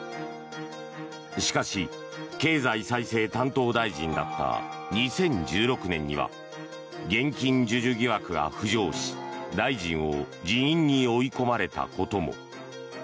しかし、経済再生担当大臣だった２０１６年には現金授受疑惑が浮上し、大臣を辞任に追い込まれたことも。